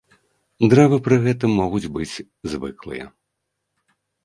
Дрэвы пры гэтым могуць быць звыклыя.